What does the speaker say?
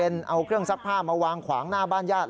เอาตู้เย็นเอาเครื่องทรัพย์ผ้ามาวางขวางหน้าบ้านญาติ